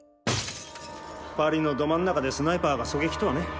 パリのど真ん中でスナイパーが狙撃とはね。